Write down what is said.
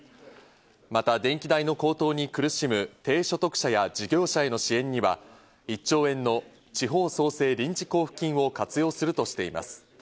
また電気代の高騰に苦しむ低所得者や事業者への支援には１兆円の地方創生臨時交付金を活用するとしています。